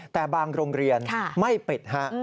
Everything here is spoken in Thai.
แต่บางโรงเรียนไม่ปิดฮะ